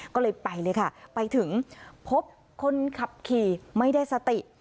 ก็เลยไปเลยค่ะไปถึงพบคนขับขี่ไม่ได้สติ